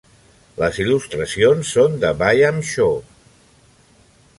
Les il·lustracions són de Byam Shaw.